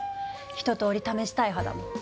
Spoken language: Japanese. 一とおり試したい派だもん。